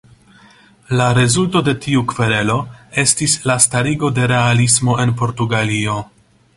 La rezulto de tiu kverelo estis la starigo de realismo en Portugalio.